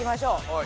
はい。